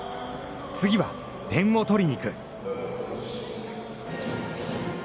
次は点を取りにいく。